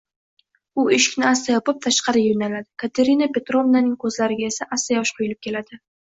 U eshikni asta yopib, tashqariga yoʻnaladi, Katerina Petrovnaning koʻzlariga esa asta yosh quyilib keladi.